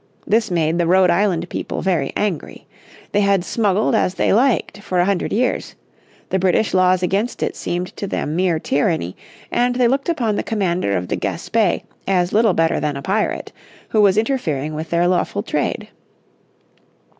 This made the Rhode Island people very angry. They had smuggled as they liked for a hundred years; the British laws against it seemed to them mere tyranny; and they looked upon the commander of the Gaspé as little better than a pirate, who was interfering with their lawful trade.